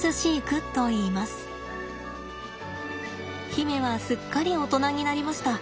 媛はすっかり大人になりました。